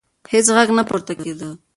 هیڅ غږ نه پورته کېده.